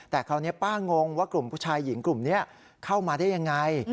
แต่คราวนี้ป้างงว่ากลุ่มผู้ชายหญิงกลุ่มนี้เข้ามาได้ยังไง